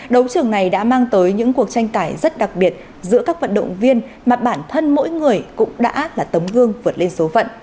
đấu trường này đã mang tới những cuộc tranh tài rất đặc biệt giữa các vận động viên mà bản thân mỗi người cũng đã là tấm gương vượt lên số phận